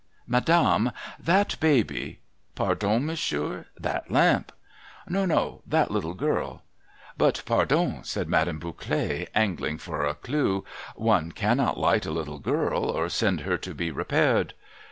' Madame, that baby '' Pardon, monsieur. That lamp.* ' No, no, that little girl.' ' Ikit, pardon !' said Madame Bouclet, angling for a clew, ' one cannot liglit a little girl, or send her to be repaired